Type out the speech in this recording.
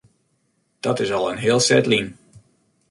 Dat is al in heel set lyn.